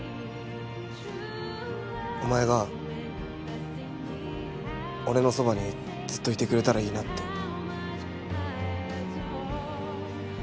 お前が俺のそばにずっといてくれたらいいなって。